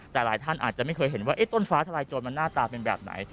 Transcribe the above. แต่หลายท่านอาจจะไม่เคยเห็นว่าต้นฟ้าทลายโจรมันหน้าตาเป็นแบบไหน